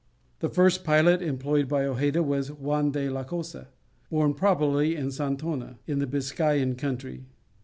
The first pilot employed by Hojeda was Juan de la Cosa, born probably at Santona, in the Biscayan country.